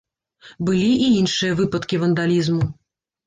Былі і іншыя выпадкі вандалізму.